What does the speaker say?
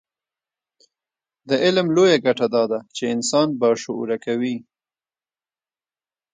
علم لویه ګټه دا ده چې انسان باشعوره کوي.